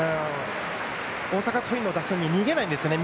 大阪桐蔭の打線に逃げないんですね。